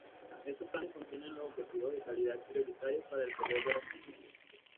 Estos planes contienen los objetivos de calidad prioritarios para el período correspondiente.